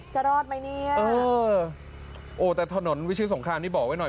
จะรอดไหมเนี่ยเออโอ้แต่ถนนวิชิสงครามนี่บอกไว้หน่อย